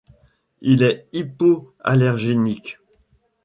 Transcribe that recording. Il est hypoallergénique.